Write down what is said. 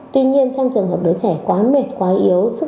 tuy nhiên trong trường hợp đứa trẻ quá mệt quá yếu sức